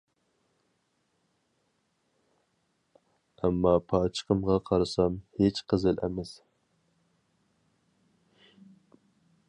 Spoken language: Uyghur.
ئەمما پاچىقىمغا قارىسام، ھېچ قىزىل ئەمەس.